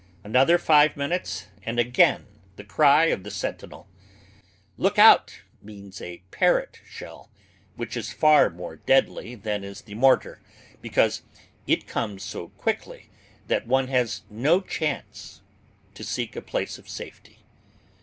Another five minutes, and again the cry of the sentinel, "Look out," means a parrot shell, which is far more deadly than is the mortar because it comes so quickly that one has no chance to seek a place of safety.